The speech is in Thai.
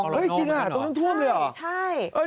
เฮ่ยจริงเหรอตรงนั้นท่วมเลยเหรอใช่